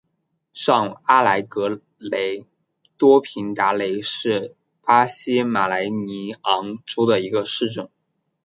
上阿莱格雷多平达雷是巴西马拉尼昂州的一个市镇。